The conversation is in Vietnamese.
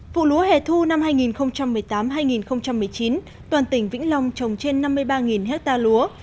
vụ lúa hẻ thu năm hai nghìn một mươi tám hai nghìn một mươi chín toàn tỉnh vĩnh long trồng trên năm mươi ba ha lúa